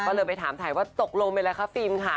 ก็เลยไปถามถ่ายว่าตกลงไปแล้วค่ะฟิล์มค่ะ